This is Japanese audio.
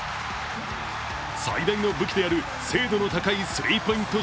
最大の武器である精度の高いスリーポイント